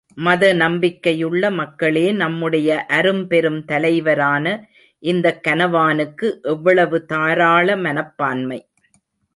மத நம்பிக்கையுள்ள மக்களே நம்முடைய அரும் பெரும் தலைவரான இந்த கனவானுக்கு எவ்வளவு தாராள மனப்பான்மை!